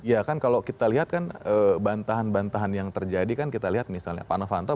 ya kan kalau kita lihat kan bantahan bantahan yang terjadi kan kita lihat misalnya pak novanto